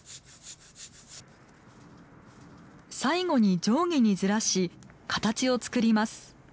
最後に上下にずらし形を作ります。